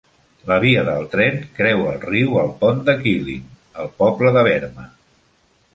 La via del tren creua el riu al pont de Kylling al poble de Verma.